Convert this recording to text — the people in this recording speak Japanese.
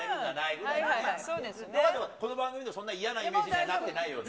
この番組でもそんなイメージになってないよね。